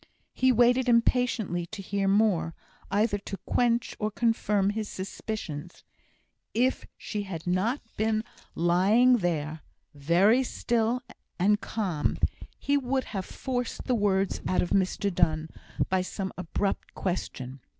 He waited impatiently to hear more, either to quench or confirm his suspicions. If she had not been lying there, very still and calm, he would have forced the words out of Mr Donne, by some abrupt question.